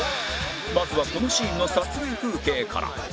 まずはこのシーンの撮影風景から